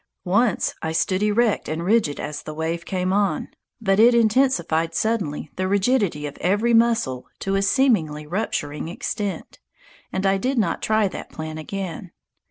Once I stood erect and rigid as the wave came on, but it intensified suddenly the rigidity of every muscle to a seemingly rupturing extent, and I did not try that plan again.